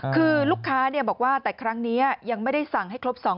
คือลูกค้าบอกว่าแต่ครั้งนี้ยังไม่ได้สั่งให้ครบ๒๐๐